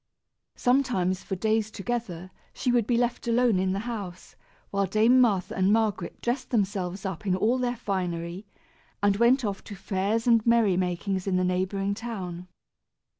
Sometimes, for days together, she would be left alone in the house, while Dame Martha and Margaret dressed themselves up in all their finery, and went off to fairs and merrymakings in the neighboring town.